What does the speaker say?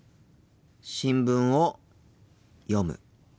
新聞を読む。